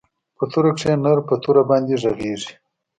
په توره کښې نر په توره باندې ږغېږي.